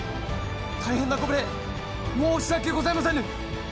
大変なご無礼申し訳ございませぬ！